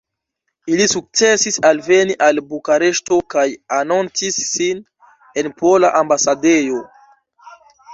Ili sukcesis alveni al Bukareŝto kaj anoncis sin en Pola Ambasadejo.